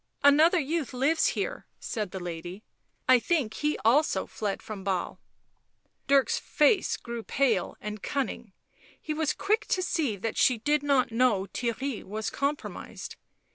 " Another youth lives here," said the lady. " I think he also fled from Basle." Dirk's face grew pale and cunning; he was quick to see that she did not know Theirry was compromised.